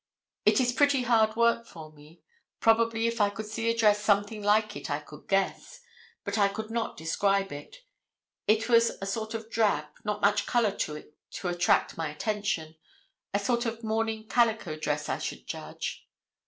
"It is pretty hard work for me. Probably if I could see a dress something like it I could guess, but I could not describe it; it was a sort of drab, not much color to it to attract my attention—a sort of morning calico dress, I should judge."